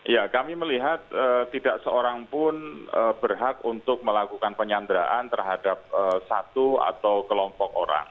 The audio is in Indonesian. ya kami melihat tidak seorang pun berhak untuk melakukan penyanderaan terhadap satu atau kelompok orang